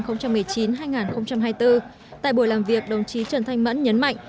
nhiệm ký hai nghìn một mươi chín hai nghìn hai mươi bốn tại buổi làm việc đồng chí trần thanh mẫn nhấn mạnh